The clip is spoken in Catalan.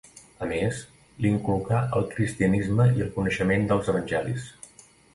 A més, li inculcà el cristianisme i el coneixement dels evangelis.